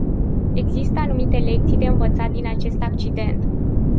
Există anumite lecții de învățat din acest accident.